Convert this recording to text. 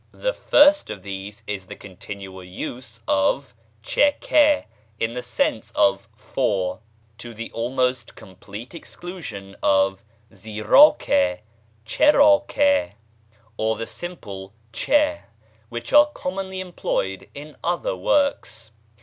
The first of these is the continual use of [Persian text] in the sense of "for," to the almost complete exclusion of [Persian text], or the simple [Persian text], which are commonly employed in other works.